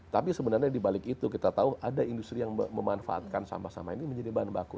tapi sebenarnya dibalik itu kita tahu ada industri yang memanfaatkan sampah sampah ini menjadi bahan baku